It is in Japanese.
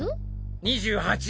２８。